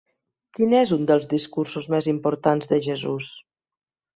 Quin és un dels discursos més importants de Jesús?